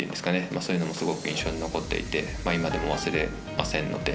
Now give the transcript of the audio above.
そういうのもすごく印象に残っていて今でも忘れませんので。